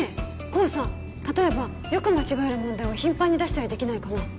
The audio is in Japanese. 功さ例えばよく間違える問題を頻繁に出したりできないかな？